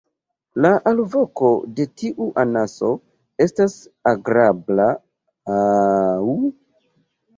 La alvoko de tiu anaso estas agrabla "ah-uu.